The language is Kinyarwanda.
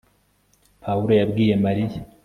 pawulo yabwiye mariya